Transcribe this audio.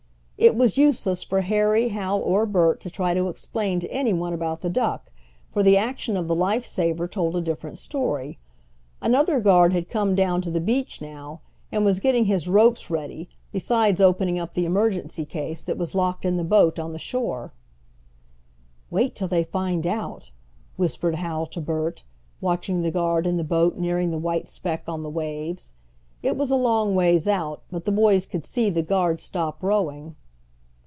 It was useless for Harry, Hal, or Bert to try to explain to anyone about the duck, for the action of the life saver told a different story. Another guard had come down to the beach now, and was getting his ropes ready, besides opening up the emergency case, that was locked in the boat on the shore. "Wait till they find out," whispered Hal to Bert, watching the guard in the boat nearing the white speck on the waves. It was a long ways out, but the boys could see the guard stop rowing.